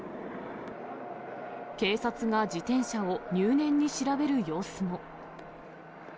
警察が自転車を入念に調べる様子も。